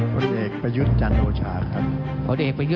โปรดติดตามตอนต่อไป